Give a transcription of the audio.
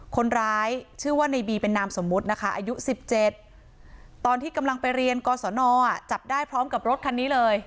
คนร้ายชื่อว่าในบีเป็นนามสมมุตินะคะอายุ๑๗ตอนที่กำลังไปเรียนกศนจับได้พร้อมกับรถคันนี้เลย